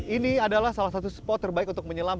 ini adalah salah satu spot terbaik untuk menyelam